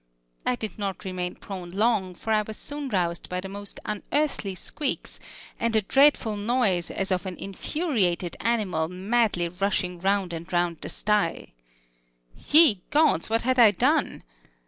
I did not remain prone long, for I was soon roused by the most unearthly squeaks, and a dreadful noise as of an infuriated animal madly rushing round and round the sty. Ye gods! what had I done?